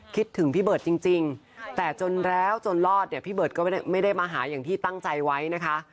คิดถึงพี่เบิร์ตจริงแต่จนแล้วจนรอดเนี่ยพี่เบิร์ตก็ไม่ได้มาหาอย่างที่ตั้งใจไว้นะคะ